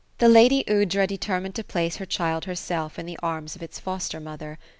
192 OPHELIA ; The lady Aoudra determined to place her child herself in the arms of its foster mother.